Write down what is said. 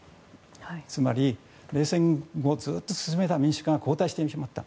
つまり、冷戦後ずっと進めた民主化が後退してしまった。